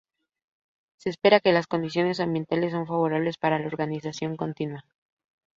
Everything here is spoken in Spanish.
Se espera que las condiciones ambientales son favorables para la organización continua.